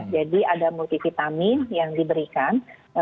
jadi ada multivitamin yang diberikan